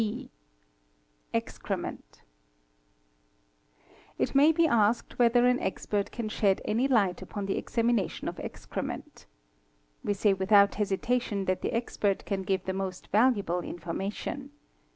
B. Excrement. — It may be asked whether an expert can shed any light upon the examination of excrement. We say without hesitation that the expert can give the most valuable information.